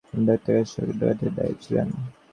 আমার অসুখ শুনে সরকারী ডাক্তার পাঠিয়ে দিয়েছিলেন।